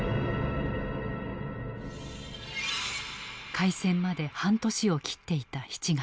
開戦まで半年を切っていた７月。